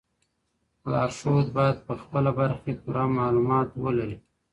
لارښود باید په خپله برخه کي پوره معلومات ولري.